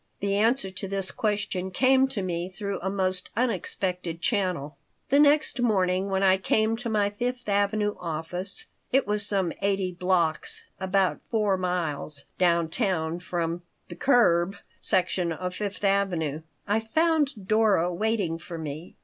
The answer to this question came to me through a most unexpected channel The next morning, when I came to my Fifth Avenue office (it was some eighty blocks about four miles downtown from "The Curb" section of Fifth Avenue), I found Dora waiting for me.